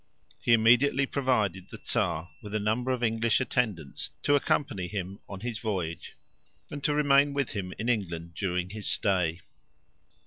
He immediately provided the Czar with a number of English attendants to accompany him on his voyage, and to remain with him in England during his stay.